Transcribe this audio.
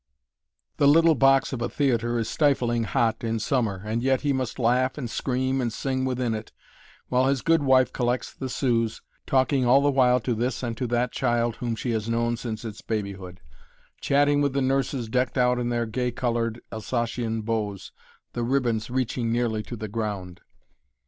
The little box of a theater is stifling hot in summer, and yet he must laugh and scream and sing within it, while his good wife collects the sous, talking all the while to this and to that child whom she has known since its babyhood; chatting with the nurses decked out in their gay colored, Alsatian bows, the ribbons reaching nearly to the ground.